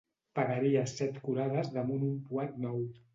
Pegaria set culades damunt un puat nou.